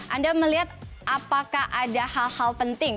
anda melihat apakah ada hal hal penting